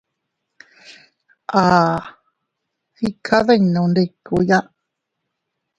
At iykaddinnundikuya.